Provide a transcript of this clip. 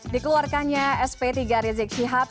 dikeluarkannya sp tiga rizik syihab